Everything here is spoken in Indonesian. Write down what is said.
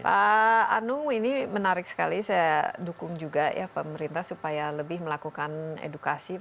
pak anung ini menarik sekali saya dukung juga ya pemerintah supaya lebih melakukan edukasi